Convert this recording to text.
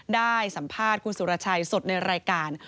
ได้สัมภาษณ์คุณสุรชัยสดในรายการ